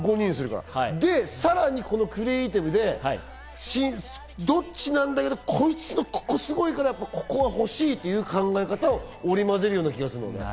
さらにクリエイティブで、どっちなんだけど、こいつのここすごいから、ここ欲しいっていう考え方を織り交ぜる気がする。